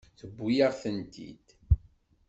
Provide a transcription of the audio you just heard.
Tewwi-yaɣ-tent-id.